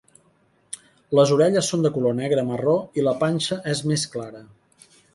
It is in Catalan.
Les orelles són de color negre marró i la panxa és més clara.